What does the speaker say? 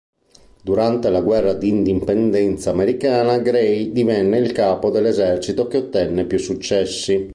Durante la guerra d'indipendenza americana Grey divenne il capo dell'esercito che ottenne più successi.